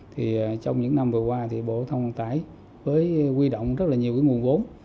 trong những năm vừa qua bộ thông tải với quy động rất nhiều nguồn vốn